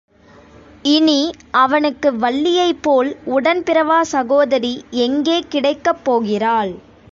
இனி அவனுக்கு வள்ளியைப் போல் உடன் பிறவாசகோதரி எங்கே கிடைக்கப் போகிறாள்!